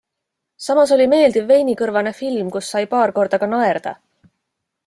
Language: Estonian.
Samas oli meeldiv veinikõrvane film, kus sai paar korda ka naerda.